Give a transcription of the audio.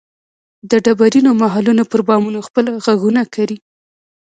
د ډبرینو محلونو پر بامونو خپل ږغونه کري